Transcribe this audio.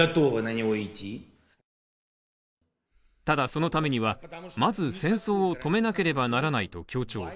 ただ、そのためにはまず、戦争を止めなければならないと強調。